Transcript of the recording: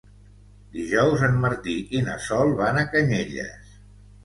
Dijous en Martí i na Sol van a Canyelles.